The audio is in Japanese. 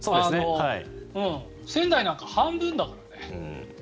仙台なんか半分だからね。